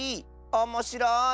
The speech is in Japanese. おもしろい！